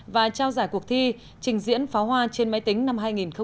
và trao giải cuộc thi trình diễn pháo hoa trên máy tính năm hai nghìn một mươi bảy